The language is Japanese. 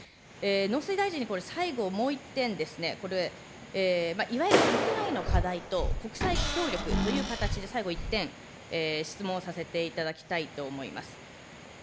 農水大臣にこれ、最後もう一点ですね、これ、いわゆる国内の課題と、国際協力という形で最後一転、質問をさせていただきたいと思います。